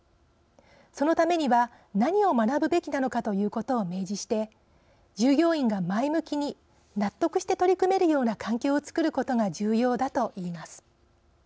そのためには何を学ぶべきなのかということを明示して従業員が前向きに納得して取り組めるような環境をつくることが重要だと言います。